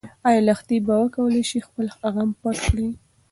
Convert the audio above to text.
ايا لښتې به وکولی شي چې خپل غم پټ کړي؟